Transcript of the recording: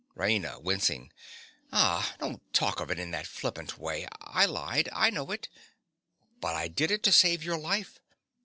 RAINA. (wincing). Ah, don't talk of it in that flippant way. I lied: I know it. But I did it to save your life.